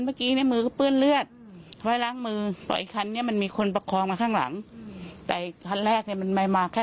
พออีกคันนี้มันมีคนประคองมาข้างหลังแต่อีกคันแรกค่ะ